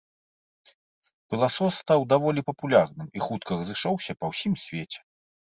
Пыласос стаў даволі папулярным і хутка разышоўся па ўсім свеце.